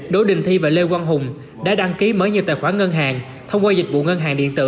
đỗ đình thi và lê quang hùng đã đăng ký mở nhiều tài khoản ngân hàng thông qua dịch vụ ngân hàng điện tử